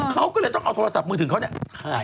เขาก็เลยต้องเอาโทรศัพท์มือถึงเขา